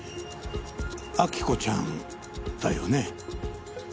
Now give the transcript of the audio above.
亜希子ちゃんだよね？